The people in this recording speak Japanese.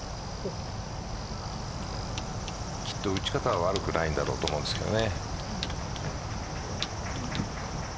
きっと打ち方は悪くないんだろうと思うんですけどね。